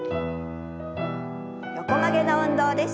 横曲げの運動です。